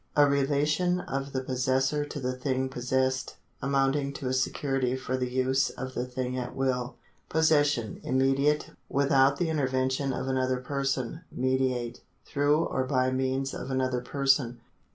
A relation of the possessor to the thing possessed, amounting to a security for the use of the thing at will. § 107] POSSESSION 271 p . Jlmmediate — without the intervention of another person. ^ \Mediatc — through or by means of another person.